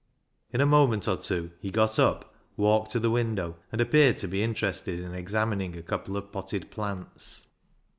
In a moment or two he got up, walked to the window, and appeared to be interested in examining a couple of potted plants.